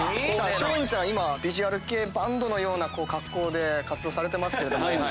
松陰寺さんは今ヴィジュアル系バンドのような格好で活動されてますけれども。